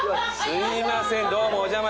すいません。